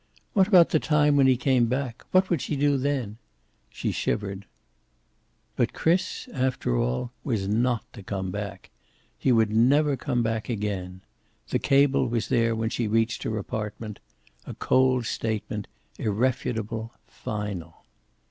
What about the time when he came back? What would she do then? She shivered. But Chris, after all, was not to come back. He would never come back again. The cable was there when she reached her apartment a cold statement, irrefutable, final.